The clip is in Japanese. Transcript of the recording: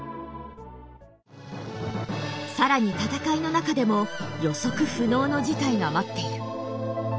更に戦いの中でも予測不能の事態が待っている。